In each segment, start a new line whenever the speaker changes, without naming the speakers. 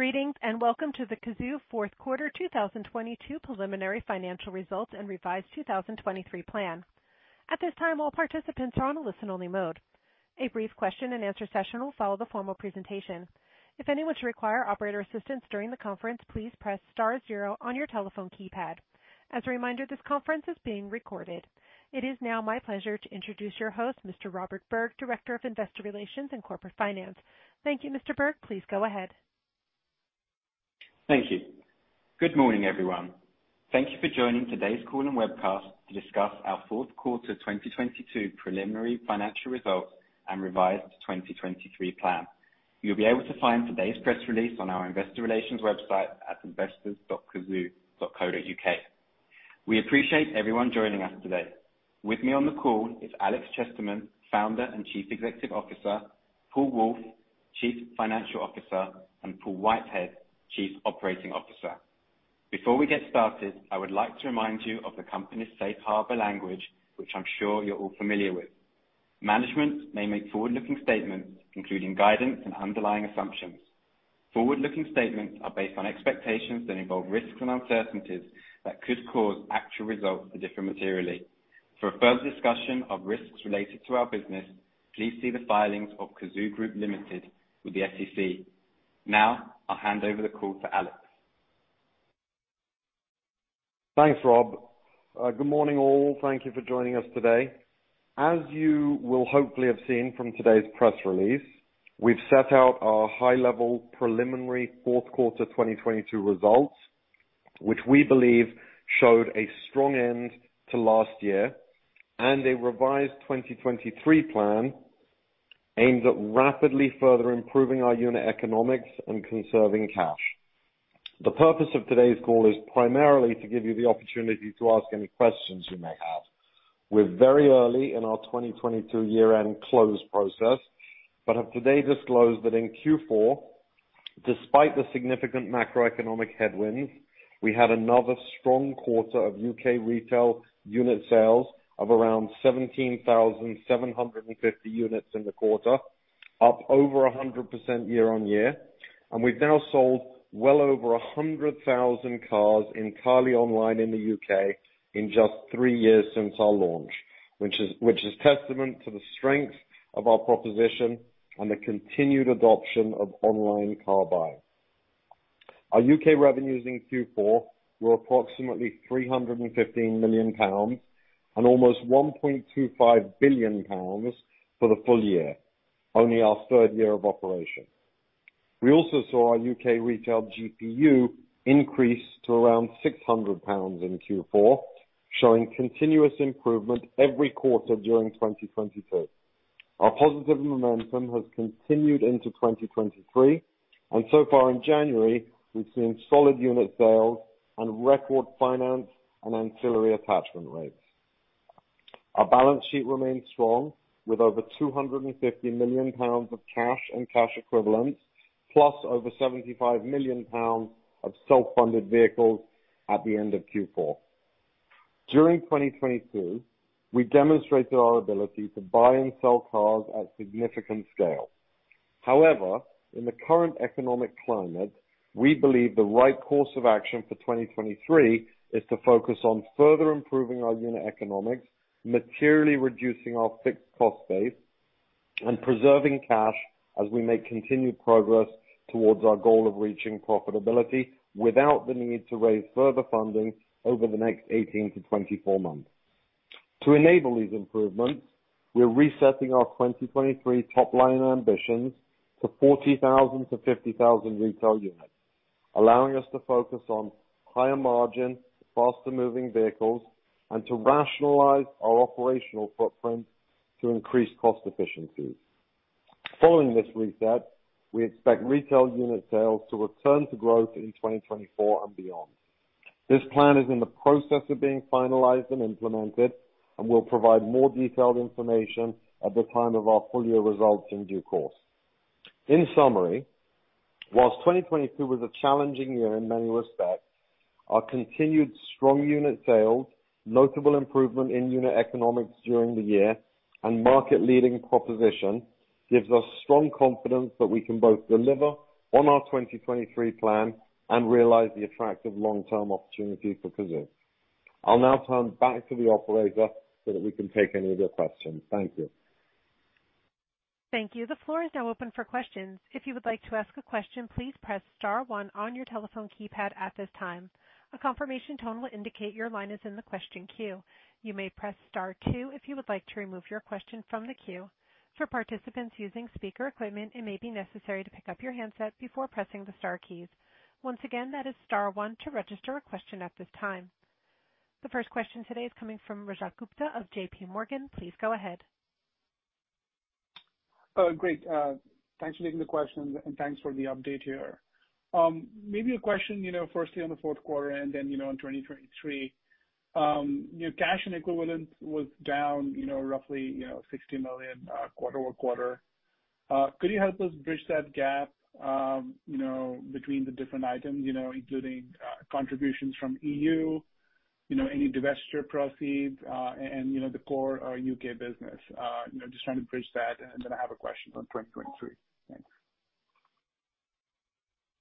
Greetings, and welcome to the Cazoo fourth quarter 2022 preliminary financial results and revised 2023 plan. At this time, all participants are on a listen only mode. A brief question-and-answer session will follow the formal presentation. If anyone should require operator assistance during the conference, please press star zero on your telephone keypad. As a reminder, this conference is being recorded. It is now my pleasure to introduce your host, Mr. Robert Berg, Director of Investor Relations and Corporate Finance. Thank you, Mr. Berg. Please go ahead.
Thank you. Good morning, everyone. Thank you for joining today's call and webcast to discuss our fourth quarter 2022 preliminary financial results and revised 2023 plan. You'll be able to find today's press release on our investor relations website at investors.cazoo.co.uk. We appreciate everyone joining us today. With me on the call is Alex Chesterman, Founder and Chief Executive Officer, Paul Woolf, Chief Financial Officer, and Paul Whitehead, Chief Operating Officer. Before we get started, I would like to remind you of the company's safe harbor language, which I'm sure you're all familiar with. Management may make forward-looking statements, including guidance and underlying assumptions. Forward-looking statements are based on expectations that involve risks and uncertainties that could cause actual results to differ materially. For a further discussion of risks related to our business, please see the filings of Cazoo Group Limited with the SEC. Now, I'll hand over the call to Alex.
Thanks, Rob. Good morning, all. Thank you for joining us today. As you will hopefully have seen from today's press release, we've set out our high level preliminary fourth quarter 2022 results, which we believe showed a strong end to last year, and a revised 2023 plan aimed at rapidly further improving our unit economics and conserving cash. The purpose of today's call is primarily to give you the opportunity to ask any questions you may have. We're very early in our 2022 year-end close process, but have today disclosed that in Q4, despite the significant macroeconomic headwinds, we had another strong quarter of U.K. retail unit sales of around 17,750 units in the quarter, up over 100% year-on-year. We've now sold well over 100,000 cars entirely online in the U.K. in just three years since our launch, which is testament to the strength of our proposition and the continued adoption of online car buying. Our U.K. revenues in Q4 were approximately 315 million pounds and almost 1.25 billion pounds for the full-year, only our third year of operation. We also saw our U.K. retail GPU increase to around 600 pounds in Q4, showing continuous improvement every quarter during 2022. Our positive momentum has continued into 2023, and so far in January, we've seen solid unit sales and record finance and ancillary attachment rates. Our balance sheet remains strong, with over 250 million pounds of cash and cash equivalents, plus over 75 million pounds of self-funded vehicles at the end of Q4. In the current economic climate, we believe the right course of action for 2023 is to focus on further improving our unit economics, materially reducing our fixed cost base, and preserving cash as we make continued progress towards our goal of reaching profitability without the need to raise further funding over the next 18-24 months. To enable these improvements, we're resetting our 2023 top-line ambitions to 40,000-50,000 retail units, allowing us to focus on higher margin, faster moving vehicles and to rationalize our operational footprint to increase cost efficiency. Following this reset, we expect retail unit sales to return to growth in 2024 and beyond. This plan is in the process of being finalized and implemented and we'll provide more detailed information at the time of our full-year results in due course. In summary, while 2022 was a challenging year in many respects, our continued strong unit sales, notable improvement in unit economics during the year, and market-leading proposition gives us strong confidence that we can both deliver on our 2023 plan and realize the attractive long-term opportunity for Cazoo. I'll now turn back to the operator so that we can take any of your questions. Thank you.
Thank you. The floor is now open for questions. If you would like to ask a question, please press star one on your telephone keypad at this time. A confirmation tone will indicate your line is in the question queue. You may press star two if you would like to remove your question from the queue. For participants using speaker equipment, it may be necessary to pick up your handset before pressing the star keys. Once again, that is star one to register a question at this time. The first question today is coming from Rajat Gupta of J.P. Morgan. Please go ahead.
Great. Thanks for taking the questions, and thanks for the update here. Maybe a question, you know, firstly on the fourth quarter and then, you know, in 2023. Your cash and equivalents was down, you know, roughly, you know, 60 million, quarter-over-quarter. Could you help us bridge that gap, you know, between the different items, you know, including contributions from EU, you know, any divestiture proceeds, and, you know, the core U.K. business. You know, just trying to bridge that, and then I have a question on 2023. Thanks.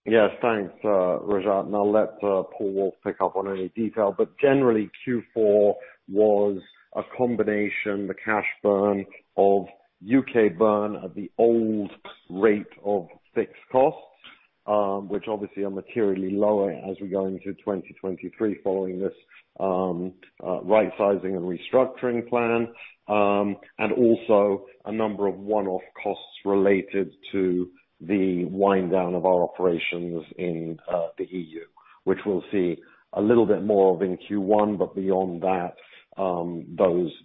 Yes. Thanks, Rajat. I'll let Paul Woolf pick up on any detail. Generally, Q4 was a combination, the cash burn of U.K. burn at the old rate of fixed costs, which obviously are materially lower as we go into 2023 following this rightsizing and restructuring plan. Also a number of one-off costs related to the wind down of our operations in the EU, which we'll see a little bit more of in Q1. Beyond that,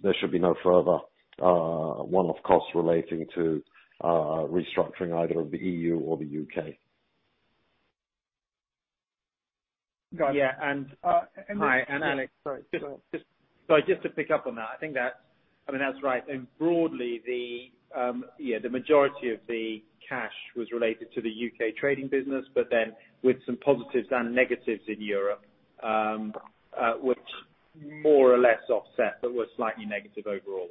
there should be no further one-off costs relating to restructuring either of the EU or the U.K..
Got it.
Yeah.
Uh, and then.
Hi. Alex.
Sorry. Go on.
Just to pick up on that. I think that's I mean, that's right. Broadly the majority of the cash was related to the U.K. trading business, but then with some positives and negatives in Europe, which more or less offset but were slightly negative overall.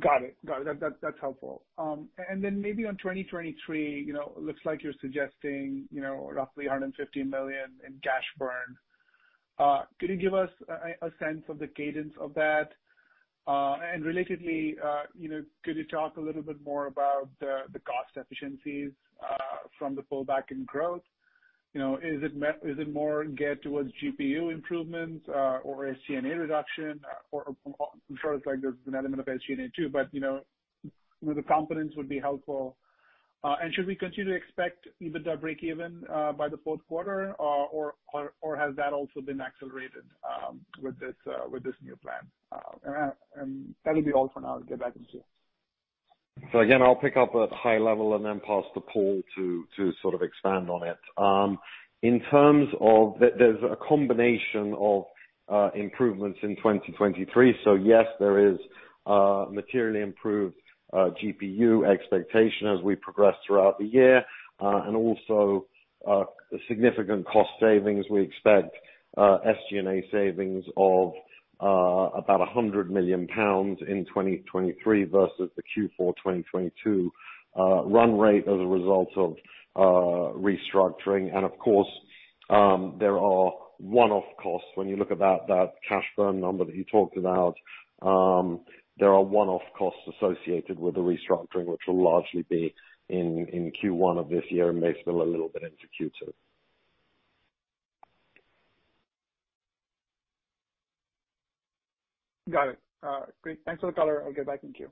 Got it. Got it. That's helpful. Maybe on 2023. You know, it looks like you're suggesting, you know, roughly 150 million in cash burn. Could you give us a sense of the cadence of that? Relatedly, you know, could you talk a little bit more about the cost efficiencies from the pullback in growth? You know, is it more geared towards GPU improvements or SG&A reduction? I'm sure it's like there's an element of SG&A too, but, you know, you know, the confidence would be helpful. Should we continue to expect EBITDA breakeven by the fourth quarter or has that also been accelerated with this new plan? That'll be all for now. Get back to you.
Again, I'll pick up at high level and then pass to Paul to sort of expand on it. In terms of there's a combination of improvements in 2023. Yes, there is materially improved GPU expectation as we progress throughout the year. Also, significant cost savings. We expect SG&A savings of about 100 million pounds in 2023 versus the Q4 2022 run rate as a result of restructuring. Of course, there are one-off costs. When you look at that cash burn number that you talked about, there are one-off costs associated with the restructuring, which will largely be in Q1 of this year and may spill a little bit into Q2.
Got it. Great. Thanks for the color. I'll get back in queue.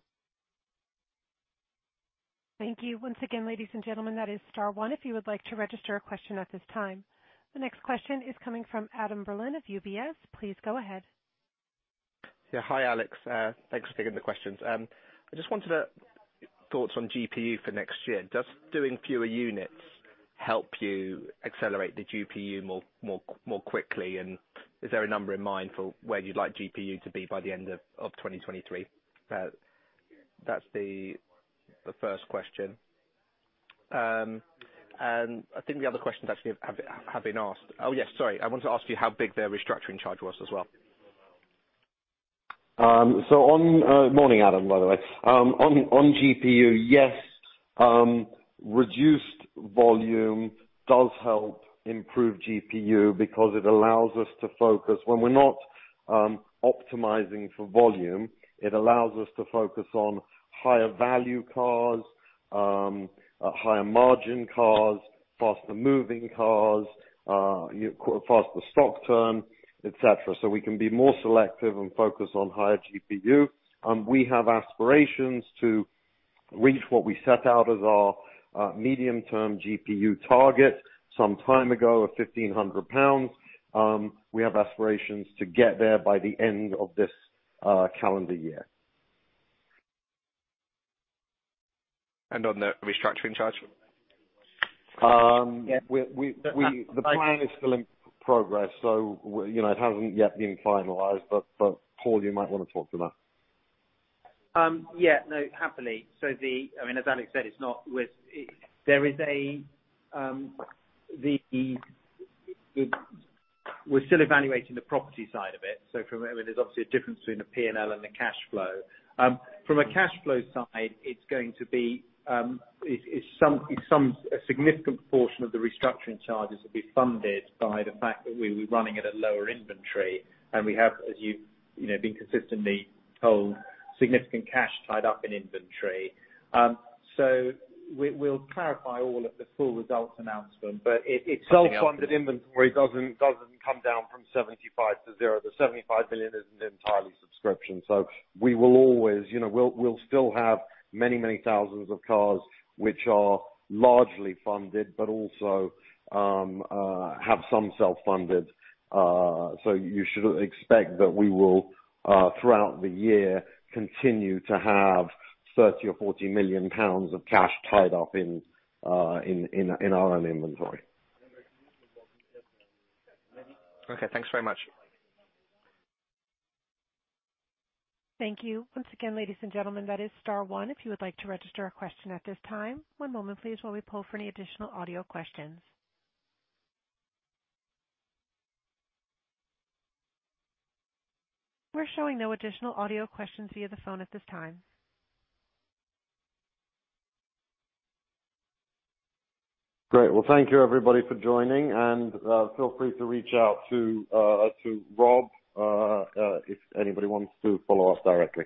Thank you. Once again, ladies and gentlemen, that is star one if you would like to register a question at this time. The next question is coming from Adam Berlin of UBS. Please go ahead.
Yeah. Hi, Alex. Thanks for taking the questions. I just wanted thoughts on GPU for next year. Does doing fewer units help you accelerate the GPU more quickly? Is there a number in mind for where you'd like GPU to be by the end of 2023? That's the first question. I think the other questions actually have been asked.
Oh, yes. Sorry.
I wanted to ask you how big the restructuring charge was as well.
Morning, Adam, by the way. On GPU, yes, reduced volume does help improve GPU because it allows us to focus. When we're not optimizing for volume, it allows us to focus on higher value cars, higher margin cars, faster moving cars, faster stock turn, et cetera. We can be more selective and focused on higher GPU. We have aspirations to reach what we set out as our medium-term GPU target some time ago of 1,500 pounds. We have aspirations to get there by the end of this calendar year.
On the restructuring charge?
We.
Yeah.
The plan is still in progress, so, you know, it hasn't yet been finalized. Paul, you might wanna talk to that.
Yeah. No, happily. I mean, as Alex said, it's not with. There is a We're still evaluating the property side of it. I mean, there's obviously a difference between the P&L and the cash flow. From a cash flow side, it's going to be, it's some a significant portion of the restructuring charges will be funded by the fact that we'll be running at a lower inventory. We have, as you know, been consistently told, significant cash tied up in inventory. We'll clarify all at the full results announcement, but it.
Self-funded inventory doesn't come down from 75 to zero. The 75 billion isn't entirely subscription. We will always, you know, we'll still have many, many thousands of cars which are largely funded, but also have some self-funded. You should expect that we will throughout the year continue to have 30 million or 40 million pounds of cash tied up in our own inventory.
Okay, thanks very much.
Thank you. Once again, ladies and gentlemen, that is star one if you would like to register a question at this time. One moment please while we poll for any additional audio questions. We are showing no additional audio questions via the phone at this time.
Great. Well, thank you everybody for joining, and feel free to reach out to Rob if anybody wants to follow us directly.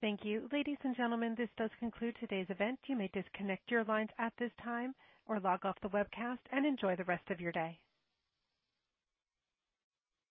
Thank you. Ladies and gentlemen, this does conclude today's event. You may disconnect your lines at this time or log off the webcast and enjoy the rest of your day.